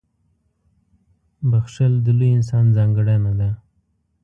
• بښل د لوی انسان ځانګړنه ده.